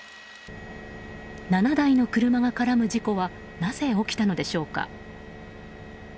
７台の車が絡む事故はなぜ起きたのでしょうか。